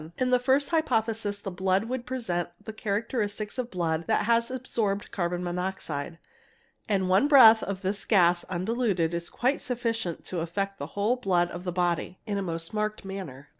In the first hypothesis the blood would present the characteristics of blood that has absorbed carbon monoxide, and one breath of this gas undiluted is quite sufficient to affect the whole blood of the body in a most marked manner.